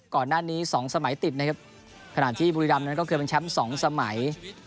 ก่อนหน้านี้สองสมัยติดนะครับขณะที่บุรีรำนั้นก็เคยเป็นแชมป์สองสมัย